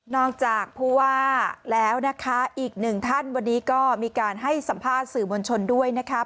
จากผู้ว่าแล้วนะคะอีกหนึ่งท่านวันนี้ก็มีการให้สัมภาษณ์สื่อมวลชนด้วยนะครับ